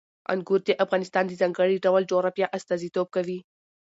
انګور د افغانستان د ځانګړي ډول جغرافیه استازیتوب کوي.